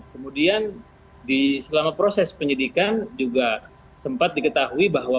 kemudian selama proses penyidikan juga sempat diketahui bahwa